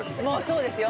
そうですよ。